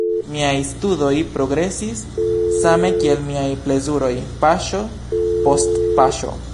Miaj studoj progresis same, kiel miaj plezuroj, paŝo post paŝo.